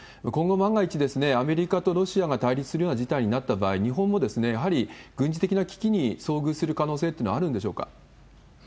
今後、万が一、アメリカとロシアが対立するような事態になった場合、日本もやはり軍事的な危機に遭遇する可能性というのはあるんでし